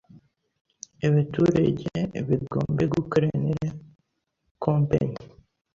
ebeturege begombe gukorene ne Kompenyi